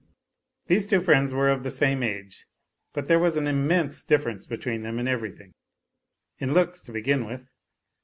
These two friends were of the same age, but there was an immense difference between them in everything in looks, to begin with.